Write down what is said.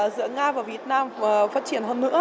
giữa nga và việt nam phát triển hơn nữa